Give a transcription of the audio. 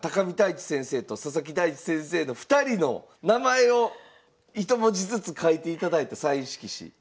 見泰地先生と佐々木大地先生の２人の名前をひと文字ずつ書いていただいたサイン色紙。